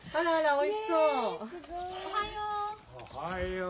おはよう！